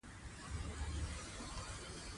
او نورو ګڼو محدِّثينو روايت کړی دی